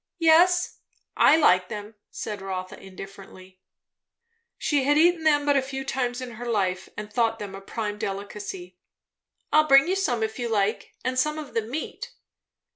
"Yes, I like them," said Rotha indifferently. N. B. She had eaten them but a few times in her life, and thought them a prime delicacy. "I'll bring you some if you like, and some of the meat."